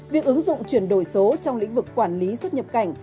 việc ứng dụng chuyển đổi số trong lĩnh vực quản lý xuất nhập cảnh